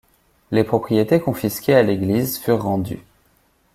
Les propriétés confisquées à l'Église furent rendues.